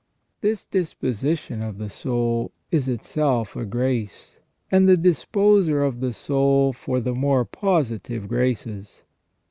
This disposition of the soul is itself a grace, and the dis poser of the soul for the more positive graces.